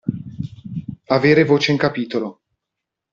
Avere voce in capitolo.